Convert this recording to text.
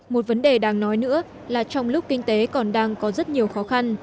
một vấn đề đáng nói nữa là trong lúc kinh tế còn đang có rất nhiều khó khăn